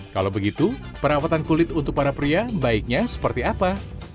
kalau begitu perawatan kulit untuk para pria baiknya seperti apa